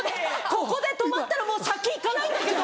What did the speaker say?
ここで止まったらもう先行かないんだけど。